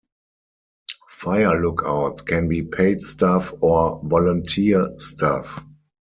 Fire lookouts can be paid staff or volunteer staff.